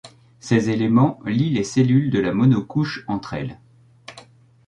Ces éléments lient les cellules de la monocouche entre elles.